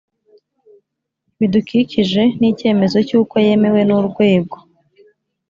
bidukikije n icyemezo cy uko yemewe n urwego